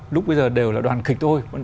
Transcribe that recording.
lúc bây giờ đều là đoàn kịch thôi